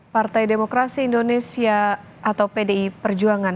partai demokrasi indonesia atau pdi perjuangan